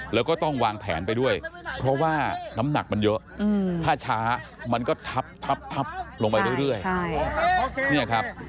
แล้วก็ต้องวางแผนไปด้วยเพราะว่าน้ำหนักมันเยอะถ้าช้ามันก็ทับลงไปเรื่อย